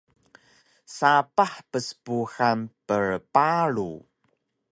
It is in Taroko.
sapah pspuhan prparu